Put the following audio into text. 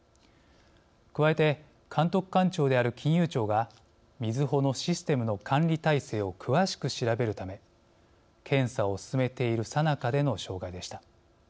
加えて、監督官庁である金融庁がみずほのシステムの管理体制を詳しく調べるため検査を進めているさなかでの障害でした。